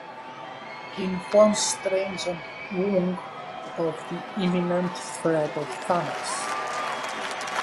He informs Strange and Wong of the imminent threat of Thanos.